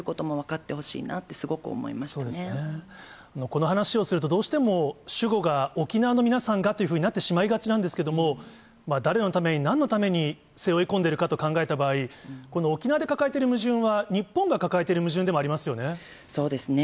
この話をすると、どうしても、主語が沖縄の皆さんがっていうふうになってしまいがちなんですけれども、誰のために、なんのために背負いこんでいるかと考えた場合、この沖縄で抱えている矛盾は、日本が抱えている矛盾でもありますよね。